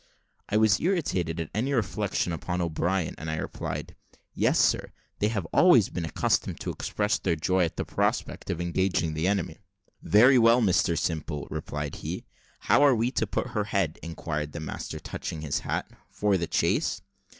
I was irritated at any reflection upon O'Brien, and I replied, "Yes sir; they have been always accustomed to express their joy at the prospect of engaging the enemy." "Very well, Mr Simple," replied he. "How are we to put her head?" inquired the master, touching his hat; "for the chase?"